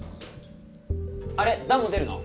あれ弾も出るの？